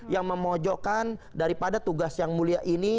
yang memojokkan daripada tugas yang mulia ini